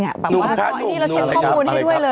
นุ่มค่ะ